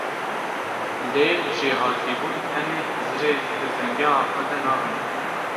Lê jêhatîbûn tenê hizirê di bingeha xwe de nabîne.